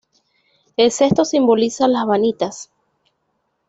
El cesto simboliza la "vanitas".